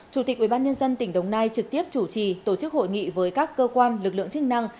chủ tịch ubnd tỉnh đồng nai trực tiếp chủ trì tổ chức hội nghị với các cơ quan lực lượng chức năng